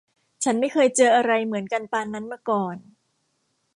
ฉันไม่เคยเจออะไรเหมือนกันปานนั้นมาก่อน !